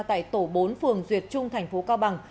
tại tổ bốn phường duyệt trung thành phố cao bằng